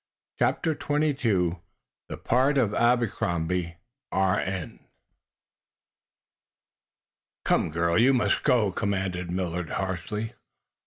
CHAPTER XXII THE PART OF ABERCROMBIE, R.N. "Come, girl, you must go!" commanded Millard, harshly.